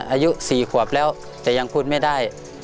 อายุ๔ขวบแล้วแต่ยังพูดไม่ได้